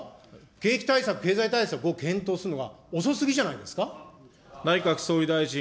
景気対策、経済対策を検討するのは、遅すぎじゃないですか。